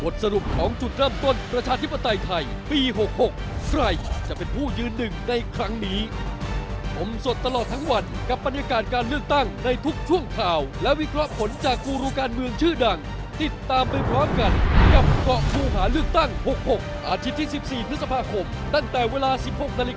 ตั้ง๖๖อาทิตย์ที่๑๔นคตั้งแต่เวลา๑๖นาฬิกาเป็นต้นไป